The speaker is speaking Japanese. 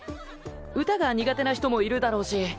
歌が苦手な人もいるだろうし。